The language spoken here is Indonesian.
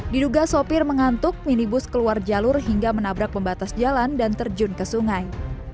diduga sopir mengantuk minibus keluar jalur hingga menabrak pembatas jalan dan terjun ke sungai